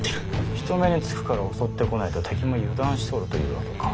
人目につくから襲ってこないと敵も油断しておるというわけか。